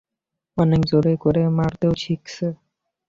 অনেক জোরে করে মারতেও শিখছে!